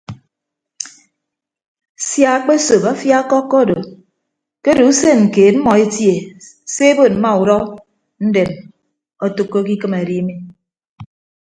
Sia akpesop afia ọkọkkọ odo ke odo usen keed mmọ etie se ebod mma udọ ndem otәkkoke ikịm edi mi.